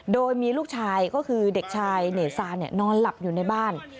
โดยมีลูกชายก็คือเด็กชายเนซานอนหลับอยู่ในบ้าน